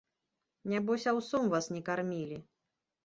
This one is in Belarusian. Нябось, аўсом вас не кармілі!